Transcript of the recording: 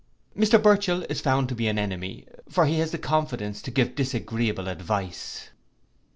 Mr Burchell is found to be an enemy; for he has the confidence to give disagreeable advice.